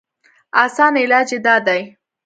اسان علاج ئې دا دی